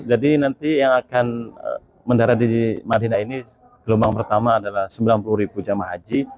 jadi nanti yang akan mendarat di madinah ini gelombang pertama adalah sembilan puluh jamah haji